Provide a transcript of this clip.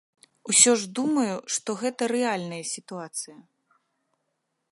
Усё ж думаю, што гэта рэальная сітуацыя.